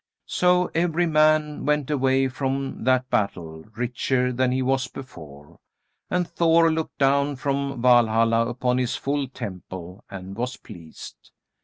So every man went away from that battle richer than he was before, and Thor looked down from Valhalla upon his full temple and was pleased.